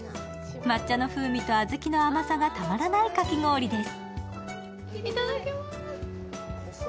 抹茶の風味と小豆の甘さがたまらないかき氷屋です。